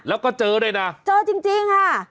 แล้วก็เจอด้วยนะเจอจริงค่ะ